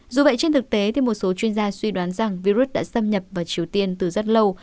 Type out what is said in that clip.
dù vậy trên thực tế thì một số chuyên gia suy đoán rằng virus đã xâm nhập vào triều tiên từ rất lâu